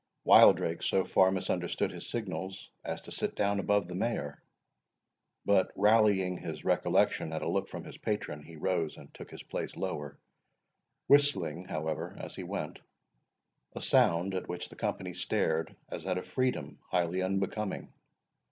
Wildrake so far misunderstood his signals, as to sit down above the Mayor; but rallying his recollection at a look from his patron, he rose and took his place lower, whistling, however, as he went, a sound at which the company stared, as at a freedom highly unbecoming.